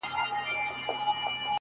• ورته نظمونه ليكم،